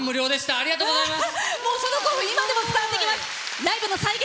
ありがとうございます！